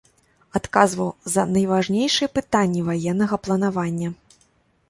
Адказваў за найважнейшыя пытанні ваеннага планавання.